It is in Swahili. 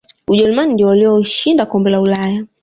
ujerumani ndiyo waliyoshinda kombe la ulaya